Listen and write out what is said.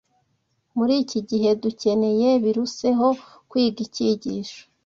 Muri iki gihe dukeneye biruseho kwiga icyigisho